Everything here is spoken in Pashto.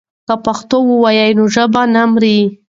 که پښتو ووایو نو ژبه نه مري.